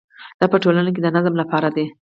دا په ټولنه کې د نظم لپاره دی.